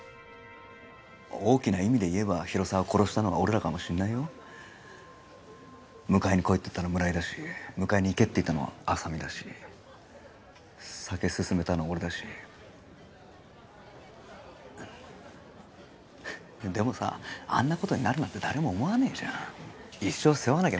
大きな意味で言えば広沢殺したのは俺らかもしんないよ迎えに来いって言ったの村井だし迎えに行けって言ったの浅見だし酒勧めたの俺だしでもさあんなことになるなんて誰も思わねえじゃん一生背負わなきゃ